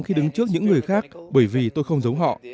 khi đứng trước những người khác bởi vì tôi không giấu họ